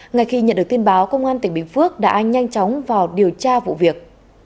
ngay khi nhận được tin báo công an tỉnh bình phước đã nhanh chóng vào điều tra vụ việc